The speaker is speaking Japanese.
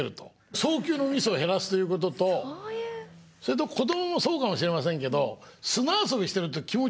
送球のミスを減らすということとそれと子どももそうかもしれませんけどえっ？